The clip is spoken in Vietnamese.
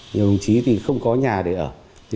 nhiều đồng chí thì không có nhà để ở